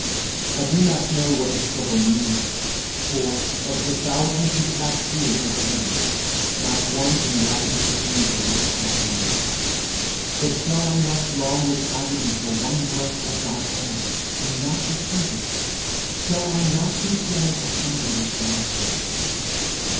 I do not know what the struggle means; for, of the thousands who pass through it every day, not one enlightens his neighbour left behind; but shall I not long with agony for one breath of thy air, and not receive it? shall I not be torn asunder with dying?